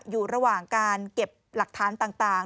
อยู่ระหว่างการเก็บหลักฐานต่าง